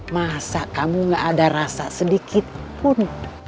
masa kamu gak ada rasa sedikit pun